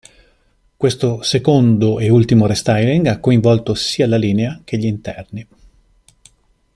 Questo secondo e ultimo restyling ha coinvolto sia la linea che gli interni.